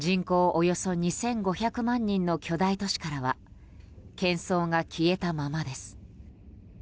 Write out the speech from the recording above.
およそ２５００万人の巨大都市からは喧騒が消えたままです。